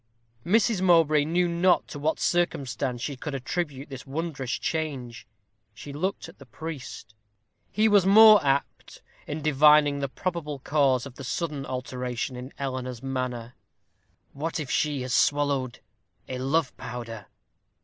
Mrs. Mowbray knew not to what circumstance she could attribute this wondrous change. She looked at the priest. He was more apt in divining the probable cause of the sudden alteration in Eleanor's manner. "What if she has swallowed a love powder?"